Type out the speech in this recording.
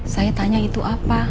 saya tanya itu apa